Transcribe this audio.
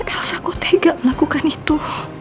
elsa kok tega melakukan itu